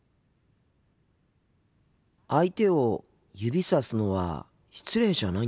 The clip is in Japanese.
相手を指さすのは失礼じゃないんですか？